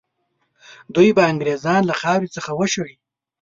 دوی به انګرېزان له خاورې څخه وشړي.